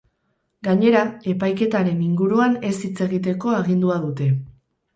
Gainera, epaiketaren inguruan ez hitz egiteko agindua dute.